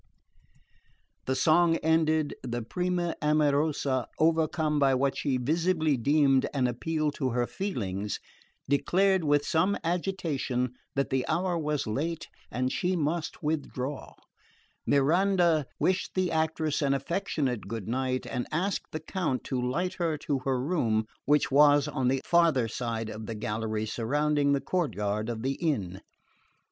The song ended, the prima amorosa, overcome by what she visibly deemed an appeal to her feelings, declared with some agitation that the hour was late and she must withdraw. Miranda wished the actress an affectionate goodnight and asked the Count to light her to her room, which was on the farther side of the gallery surrounding the courtyard of the inn.